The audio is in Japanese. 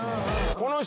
この人？